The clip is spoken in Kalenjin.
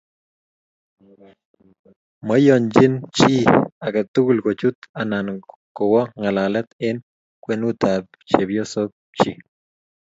Moiyonchi chi age tugul kochut anan kowo ngalalet eng kwenutab chepyosok chi